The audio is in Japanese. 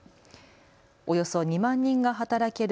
およそ２万人が働ける